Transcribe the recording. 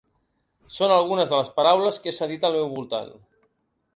Són algunes de les paraules que he sentit al meu voltant.